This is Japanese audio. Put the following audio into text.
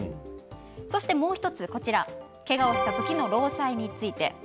そして、もう１つけがをした時の労災について。